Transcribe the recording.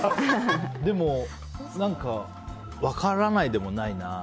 でも何か分からないでもないな。